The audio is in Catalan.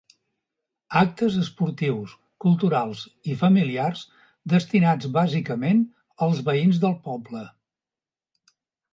Actes esportius, culturals i familiars destinats bàsicament als veïns del poble.